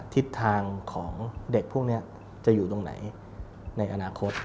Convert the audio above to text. ทิศทางของเด็กพวกนี้จะอยู่ตรงไหนในอนาคต